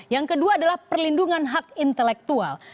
yang kedua adalah perlindungan hak intelektual